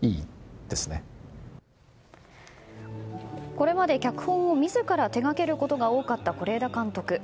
これまで脚本を自ら手掛けることが多かった是枝監督。